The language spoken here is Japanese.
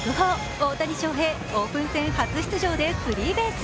大谷翔平、オープン戦初出場でスリーベース。